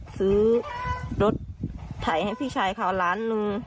ซื้อรถถ่ายให้พี่ชายเขา๑ล้าน